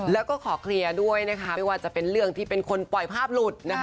แล้วก็ขอเคลียรด้วยว่าจะเป็นเรื่องที่เป็นคนปล่อยภาพหลุด